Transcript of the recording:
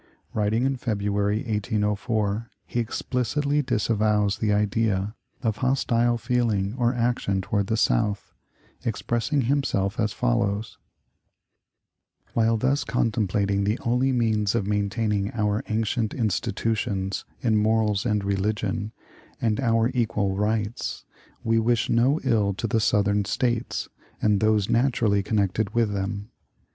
Writing in February, 1804, he explicitly disavows the idea of hostile feeling or action toward the South, expressing himself as follows: "While thus contemplating the only means of maintaining our ancient institutions in morals and religion, and our equal rights, we wish no ill to the Southern States and those naturally connected with them.